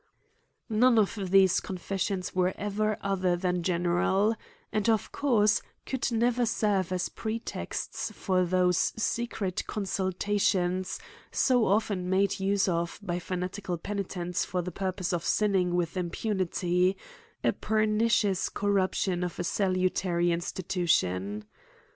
• None of these confessions were ever other thah general ; and, of course, could never serve as pre texts for those secret consultations, so often made use of by fanatical penitents for the purpose of sin ning with impunity— a pernicious corruption of a salutary institution.